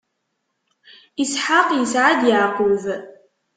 Isḥaq isɛa-d Yeɛqub.